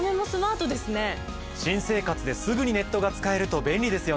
新生活ですぐにネットが使えると便利ですよね。